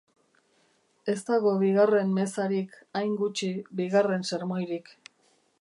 Ez dago bigarren mezarik, hain gutxi, bigarren sermoirik.